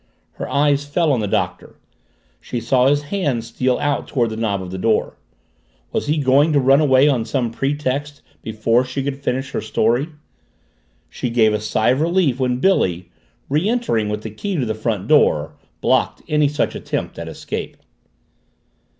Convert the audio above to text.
Her eyes fell on the Doctor. She saw his hand steal out toward the knob of the door. Was he going to run away on some pretext before she could finish her story? She gave a sigh of relief when Billy, re entering with the key to the front door, blocked any such attempt at escape.